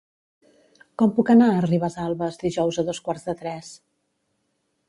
Com puc anar a Ribesalbes dijous a dos quarts de tres?